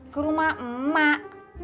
ke rumah emak